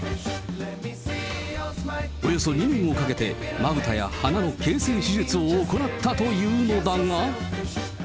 およそ２年をかけてまぶたや鼻の形成手術を行ったというのだが。